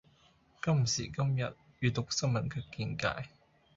今時今日閱讀新聞的見解